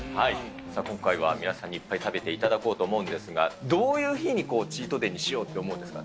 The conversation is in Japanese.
今回は皆さんにいっぱい食べていただこうと思うんですが、どういう日にチートデーにしようと思うんですか。